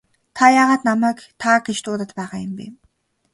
Та яагаад намайг та гэж дуудаад байгаа юм бэ?